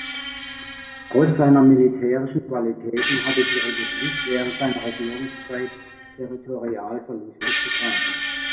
Trotz seiner militärischen Qualitäten hatte die Republik während seiner Regierungszeit territoriale Verluste zu tragen.